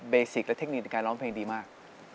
สิกและเทคนิคในการร้องเพลงดีมาก